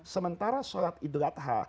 sementara solat idul adha